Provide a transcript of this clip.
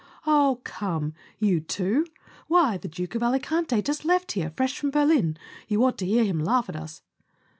"Oh, come—you too? Why, the Duke of Alicante has just left here, fresh from Berlin. You ought to hear him laugh at us.